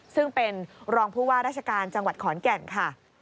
ซึ่งเป็นรองผู้ว่าราชการจังหวัดขอนแก่นค่ะ